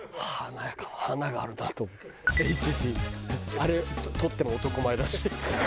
あれ取っても男前だし。